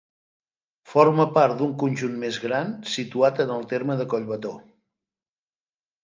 Forma part d'un conjunt més gran situat en el terme de Collbató.